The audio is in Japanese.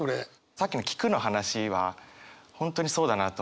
さっきの聞くの話は本当にそうだなと思って。